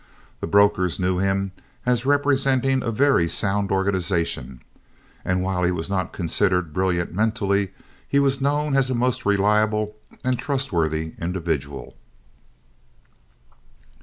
The brokers knew him as representing a very sound organization, and while he was not considered brilliant mentally, he was known as a most reliable and trustworthy individual.